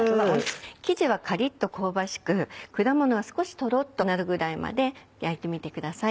生地はカリっと香ばしく果物は少しトロっとなるぐらいまで焼いてみてください。